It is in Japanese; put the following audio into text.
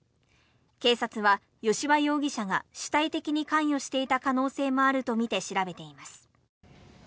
警察は、吉羽容疑者が主体的に関与していた可能性もあるとみて調べています。